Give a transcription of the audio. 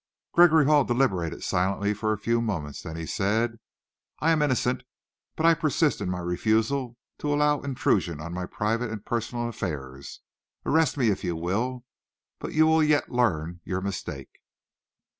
Gregory Hall deliberated silently for a few moments, then he said: "I am innocent. But I persist in my refusal to allow intrusion on my private and personal affairs. Arrest me if you will, but you will yet learn your mistake."